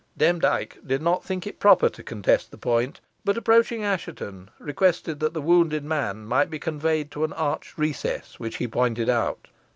Demdike did not think proper to contest the point, but, approaching Assheton, requested that the wounded man might be conveyed to an arched recess, which he pointed out.